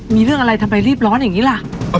มีเรื่องอะไรทำไมรีบร้อนอย่างนี้ล่ะ